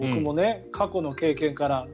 過去の経験から。